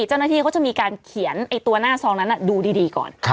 เจ้าหน้าที่เขาจะมีการเขียนตัวหน้าซองนั้นดูดีก่อน